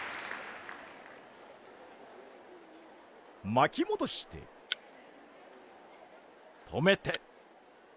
まきもどして止めて。